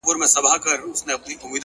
• د ښکاري او د مېرمني ورته پام سو ,